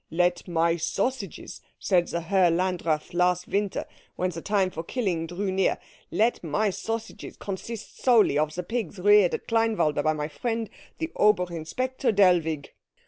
'Let my sausages,' said the Herr Landrath last winter, when the time for killing drew near, 'let my sausages consist solely of the pigs reared at Kleinwalde by my friend the Oberinspector Dellwig.'